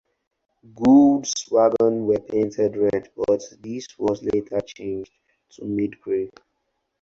Goods wagons were painted red but this was later changed to mid-grey.